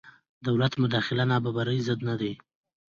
دولت مداخله نابرابرۍ ضد نه دی.